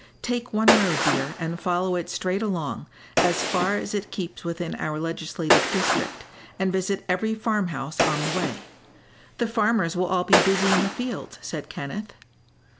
Take one road, dear, and follow it straight along, as far as it keeps within our legislative district, and visit every farm house on the way." "The farmers will all be busy in the fields," said Kenneth.